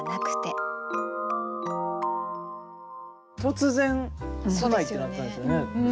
突然来ないってなったんですよね。